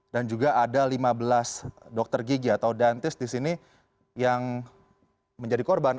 dan juga ada lima belas dokter gigi atau dentist di sini yang menjadi korban